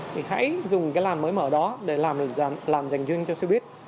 thì hãy dùng cái làn mới mở đó để làm dành duyên cho xe buýt